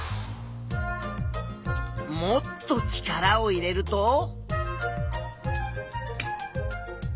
もっと力を入れると。